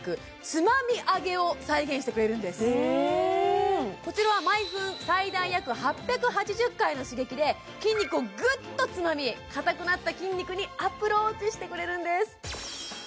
つまみ上げを再現してくれるんですこちらは毎分最大約８８０回の刺激で筋肉をグッとつまみ硬くなった筋肉にアプローチしてくれるんです